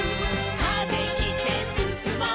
「風切ってすすもう」